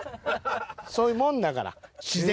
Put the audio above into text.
そういうもんだから自然。